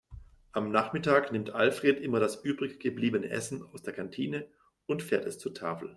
Am Nachmittag nimmt Alfred immer das übrig gebliebene Essen aus der Kantine und fährt es zur Tafel.